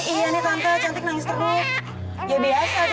iya nih tante cantik nangis terlalu